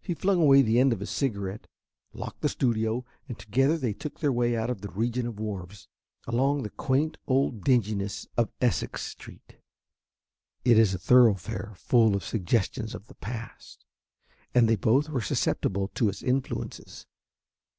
He flung away the end of his cigarette, locked the studio, and together they took their way out of the region of wharves, along the quaint old dinginess of Essex Street. It is a thoroughfare full of suggestions of the past, and they both were susceptible to its influences.